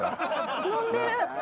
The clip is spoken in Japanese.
飲んでる。